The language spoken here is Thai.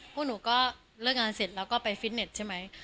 พวกหนูก็เลิกงานเสร็จแล้วก็ไปฟิตเน็ตใช่ไหม